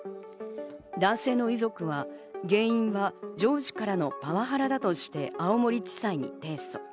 男性の遺族は、原因が上司からのパワハラだとして青森地裁に提訴。